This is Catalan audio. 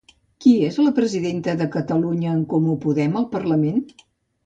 Qui és la presidenta de Catalunya en Comú Podem al parlament?